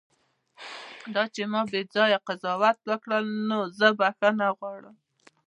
دا چې ما بیځایه قضاوت وکړ، نو زه بښنه غواړم.